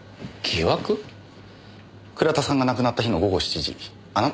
倉田さんが亡くなった日の午後７時あなた